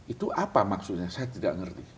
itu apa maksudnya saya tidak mengerti